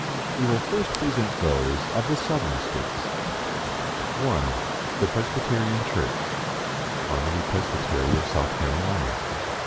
We will first present those of the Southern States. 1. The Presbyterian Church. HARMONY PRESBYTERY, OF SOUTH CAROLINA.